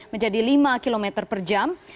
menjadi lima km per jam